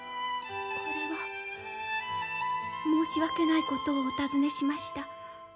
これは申し訳ないことをお尋ねしました。